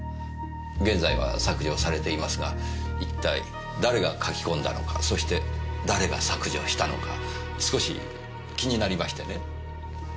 現在は削除されていますが一体誰が書き込んだのかそして誰が削除したのか少し気になりましてね。